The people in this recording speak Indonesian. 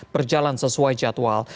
berjalan sesuai jadwal